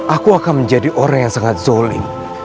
aku akan menjadi orang yang sangat zoli